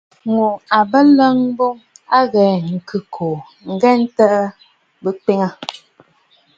Ŋù à bə ləŋ boŋ a ghɛɛ ŋ̀khɨ̂kòò ghɛɛ ntɨɨ bɨ twiŋə̀.